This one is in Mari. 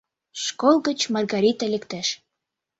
Школ гыч Маргарита лектеш.